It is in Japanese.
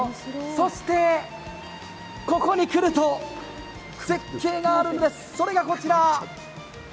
そしてここに来ると絶景があるんです、それがこちら！